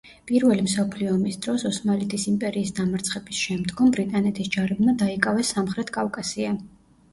პირველი მსოფლიო ომის დროს ოსმალეთის იმპერიის დამარცხების შემდგომ, ბრიტანეთის ჯარებმა დაიკავეს სამხრეთ კავკასია.